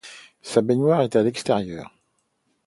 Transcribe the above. Sa baignoire est à l’extérieur.